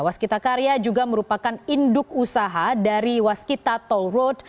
waskita karya juga merupakan induk usaha dari waskita toll road